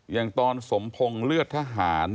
อย่างตอนสมพงศ์เลือดทหาร